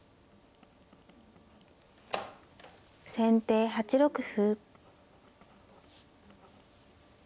先手８六歩。